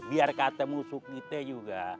biar kata musuh kita juga